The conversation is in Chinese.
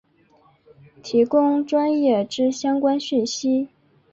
提供专业之相关讯息